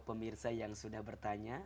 pemirsa yang sudah bertanya